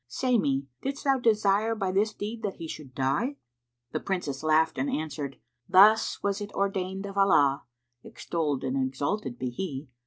Say me, didst thou desire by this deed that he should die?" The Princess laughed and answered, "Thus was it ordained of Allah (extolled and exalted be He!)